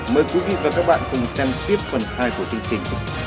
mời quý vị và các bạn cùng xem tiếp phần hai của chương trình